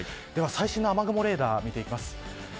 最新の雨雲レーダー見ていきます。